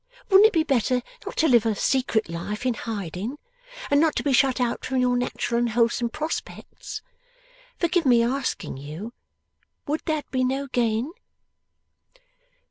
Wouldn't it be better not to live a secret life in hiding, and not to be shut out from your natural and wholesome prospects? Forgive my asking you, would that be no gain?